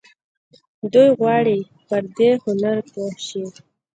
دوی غواړي پر دې هنر پوه شي.